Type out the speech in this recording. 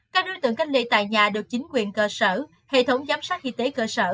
các đối tượng cách ly tại nhà được chính quyền cơ sở hệ thống giám sát y tế cơ sở